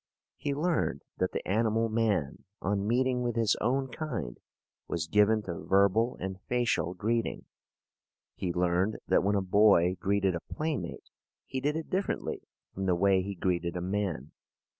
He learned that the animal man, on meeting with his own kind, was given to verbal and facial greeting. He learned that when a boy greeted a playmate he did it differently from the way he greeted a man.